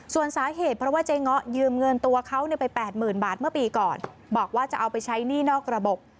ส่วนสาเหตุเพราะว่าเจ๊ง้อยืมเงินตัวเขาไป๘๐๐๐บาทเมื่อปีก่อนบอกว่าจะเอาไปใช้หนี้นอกระบบ